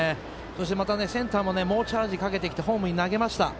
また、センターも猛チャージかけてきてホームに投げました。